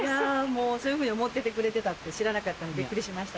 そういうふうに思っててくれてたって知らなかったんでビックリしました。